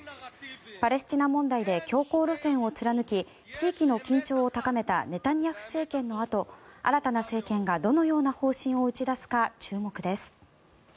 パレスチナ問題で強硬路線を貫き地域の緊張を高めたネタニヤフ政権のあと新たな政権がどのような方針を打ち出すか注目です。